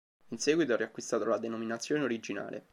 In seguito ha riacquistato la denominazione originale.